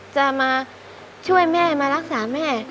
จะมาช่วยแม่มารักษาแม่